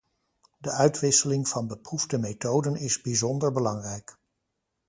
De uitwisseling van beproefde methoden is bijzonder belangrijk.